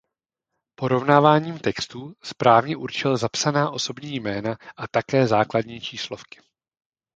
Porovnáním textů správně určil zapsaná osobní jména a také základní číslovky.